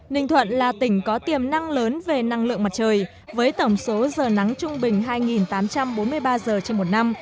ninh thuận là tỉnh có tiềm năng lớn về năng lượng mặt trời với tổng số giờ nắng trung bình hai tám trăm bốn mươi ba giờ trên một năm